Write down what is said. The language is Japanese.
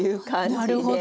なるほど。